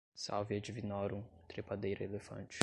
salvia divinorum, trepadeira elefante